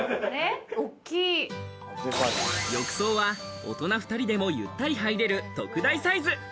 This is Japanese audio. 浴槽は大人２人でもゆったり入れる特大サイズ。